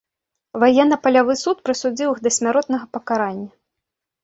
Ваенна-палявы суд прысудзіў іх да смяротнага пакарання.